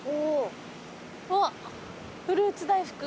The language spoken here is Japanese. あっフルーツ大福。